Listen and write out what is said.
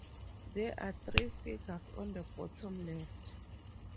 There are three figures on the bottom left.